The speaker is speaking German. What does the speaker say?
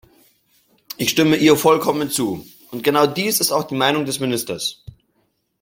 Ich stimme ihr vollkommen zu, und genau dies ist auch die Meinung des Ministers.